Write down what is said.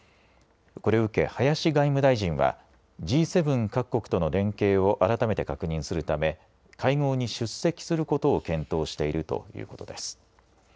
これを受け、林外務大臣は、Ｇ７各国との連携を改めて確認するため、会合に出席することを検討しているということです。